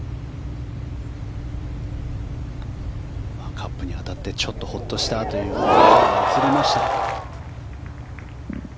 カップに当たってちょっとほっとしたという石川が映りました。